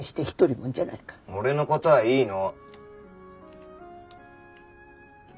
俺の事はいいの。